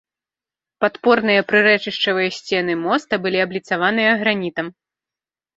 Падпорныя прырэчышчавыя сцены моста былі абліцаваныя гранітам.